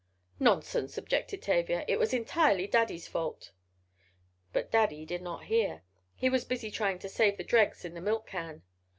"Nonsense," objected Tavia, "it was entirely Daddy's fault." But Daddy did not hear—he was busy trying to save the dregs in the milk can.